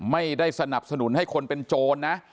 ไม่ได้สนับสนุนให้คนเป็นโจรนะ